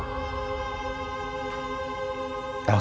aku tidak akan berhenti